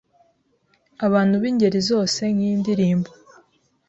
Abantu bingeri zose nkiyi ndirimbo.